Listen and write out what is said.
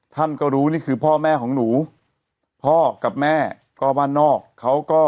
ท่านก็รู้นี่คือพ่อแม่ของหนูพ่อกับแม่ก็บ้านนอกเขาก็